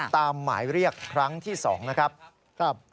ตามหมายเรียกครั้งที่สองนะครับครับ